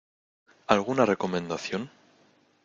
¿Alguna recomendación?